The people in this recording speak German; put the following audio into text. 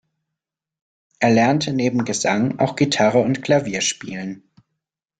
Er lernte neben Gesang auch Gitarre- und Klavierspielen.